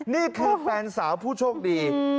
นี่คือแฟนสาวผู้โชคดี